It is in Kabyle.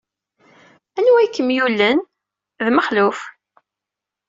Anwa ay kem-yullen? D Mexluf.